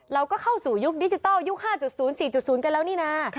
เราก็เข้าสู่ยุคดิจิทัลยุค๕๐๔๐กันแล้วนี่นะ